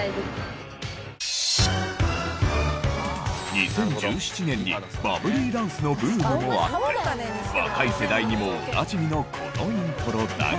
２０１７年にバブリーダンスのブームもあって若い世代にもおなじみのこのイントロだが。